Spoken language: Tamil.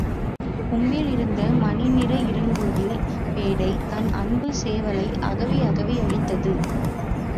கொம்பிலிருந்த மணிநிற இருங்குயில் பேடை தன் அன்புச் சேவலை அகவி அகவி அழைத்தது.